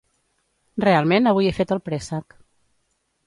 Realment avui he fet el préssec.